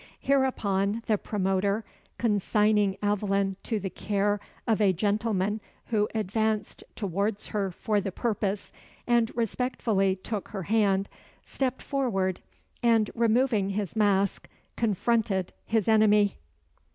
Hereupon, the promoter, consigning Aveline to the care of a gentleman who advanced towards her for the purpose, and respectfully took her hand, stepped forward, and, removing his mask, confronted his enemy.